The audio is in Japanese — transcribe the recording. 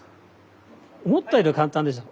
思ったよりは簡単でしょ？